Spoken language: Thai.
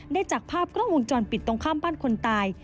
จากภาพกล้องวงจรปิดตรงข้ามบ้านคนตาย